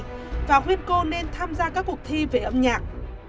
phùng thị thắng đề nghị và khuyên cô nên tham gia các cuộc thi về âm nhạc